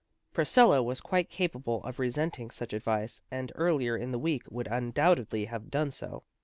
Priscilla was quite capable of resenting such advice, and earlier in the week would undoubtedly have done so.